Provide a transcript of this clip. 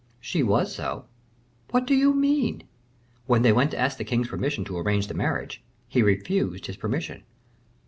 "She was so." "What do you mean?" "When they went to ask the king's permission to arrange the marriage, he refused his permission."